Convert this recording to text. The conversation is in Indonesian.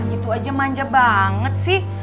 gitu aja manja banget sih